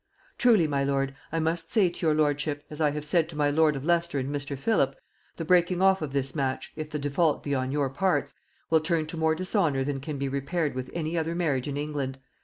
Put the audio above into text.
"Truly, my lord, I must say to your lordship, as I have said to my lord of Leicester and Mr. Philip, the breaking off of this match, if the default be on your parts, will turn to more dishonor than can be repaired with any other marriage in England.